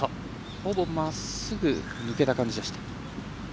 ほぼまっすぐ抜けた感じでした。